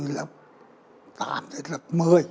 lập tám đến lập một mươi